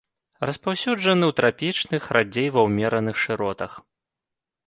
Распаўсюджаны ў трапічных, радзей ва ўмераных шыротах.